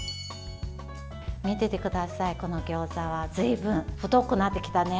見ててください、このギョーザずいぶん太くなってきたね。